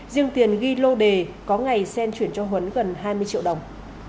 riêng tiền ghi lô đề có ngày xen chuyển cho huấn gần hai mươi triệu đồng